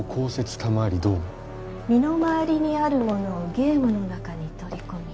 賜りどうも身の回りにあるものをゲームの中に取り込み